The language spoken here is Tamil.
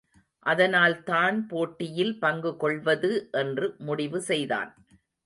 அதனால் தான் போட்டியில் பங்கு கொள்வது என்று முடிவு செய்தான்.